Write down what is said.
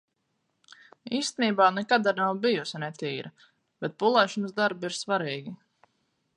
Īstenībā nekad ar’ nav bijusi netīra, bet pulēšanas darbi ir svarīgi.